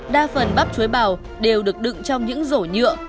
đa phần bắp chuối bào đều được đựng trong những rổ nhựa